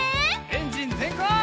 エンジンぜんかい！